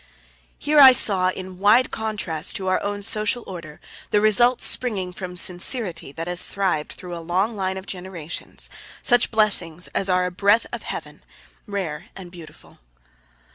Here I saw, in wide contrast to our own social order, the results springing from sincerity that has thrived through a long line of generations. Such blessings are as a breath of Heaven, rare and beautiful.